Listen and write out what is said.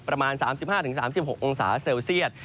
ประมาณ๓๕๓๖องศาเซลเซียต